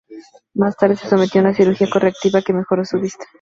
Más tarde se sometió a una cirugía correctiva que mejoró su vista.